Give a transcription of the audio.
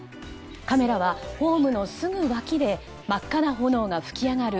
カメラはホームのすぐ脇で真っ赤な炎が噴き上がる